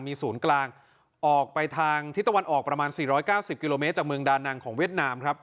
มีศูนย์กลางออกไปทางทิศตะวันออกประมาณ๔๙๐กิโลเมตรจากเมืองดานังของเวียดนามครับ